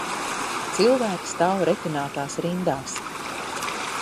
Cilvēki stāv retinātās rindās.